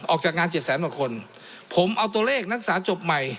ออกจากงานเจ็ดแสนกว่าคนผมเอาตัวเลขนักศึกษาจบใหม่